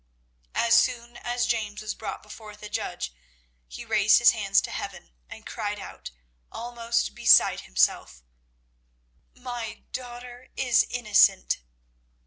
As soon as James was brought before the judge, he raised his hands to heaven, and cried out, almost beside himself "My daughter is innocent!"